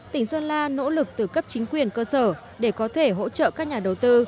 tỉnh sơn la nỗ lực từ cấp chính quyền cơ sở để có thể hỗ trợ các nhà đầu tư